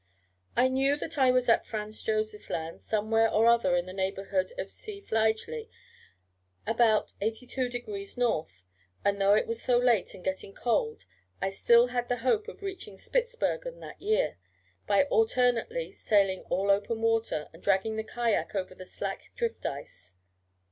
I knew that I was at Franz Josef Land, somewhere or other in the neighbourhood of C. Fligely (about 82° N.), and though it was so late, and getting cold, I still had the hope of reaching Spitzbergen that year, by alternately sailing all open water, and dragging the kayak over the slack drift ice.